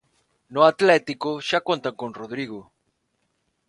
No Atlético xa contan con Rodrigo.